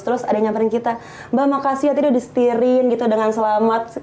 terus ada yang nyamperin kita mbak makasih ya tadi udah di setirin gitu dengan selamat